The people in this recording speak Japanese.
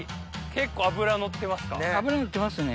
結構脂のってますか？